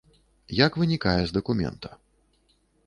Як вынікае з дакумента.